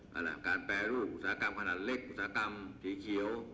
เอาล่ะการแปรรูปอุตสาหกรรมขนาดเล็กอุตสาหกรรมสีเขียว